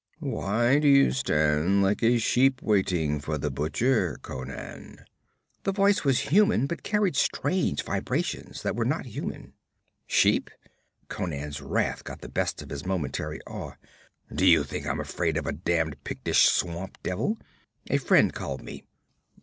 'Why do you stand like a sheep waiting for the butcher, Conan?' The voice was human but carried strange vibrations that were not human. 'Sheep?' Conan's wrath got the best of his momentary awe. 'Do you think I'm afraid of a damned Pictish swamp devil? A friend called me.'